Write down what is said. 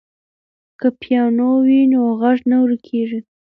که پیانو وي نو غږ نه ورکېږي.